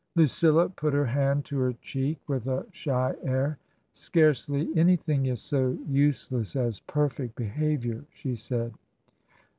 Lucilla put her hand to her cheek with a shy air. " Scarcely anything is so useless as perfect behaviour," she said.